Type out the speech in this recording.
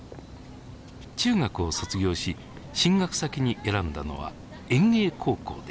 中学を卒業し進学先に選んだのは園芸高校でした。